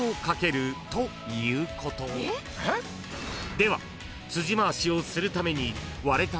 ［では］